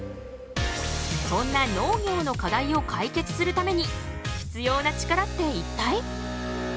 そんな農業の課題を解決するために必要なチカラっていったい？